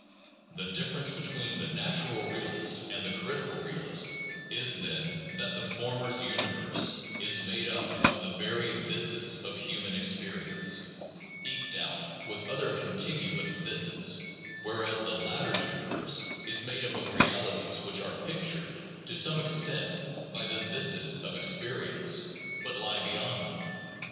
The difference between the natural realist and the critical realist is, then, that the former's universe is made up of the very "thises" of human experience, eked out with other contiguous "thises"; whereas the latter 's universe is made up of realities which are pictured (to some extent) by the "thises" of experience, but lie beyond them.